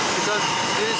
karena kita datang ke sini